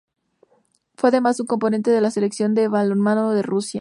Fue además un componente de la Selección de balonmano de Rusia.